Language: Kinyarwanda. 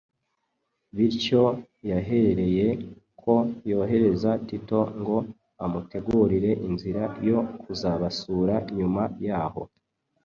Bityo yahereye ko yohereza Tito ngo amutegurire inzira yo kuzabasura nyuma y’aho.